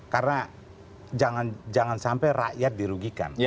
karena jangan sampai rakyat dirugikan